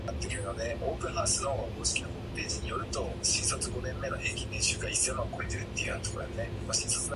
Personally, "Friends" has provided me with countless hours of laughter, comfort, and entertainment.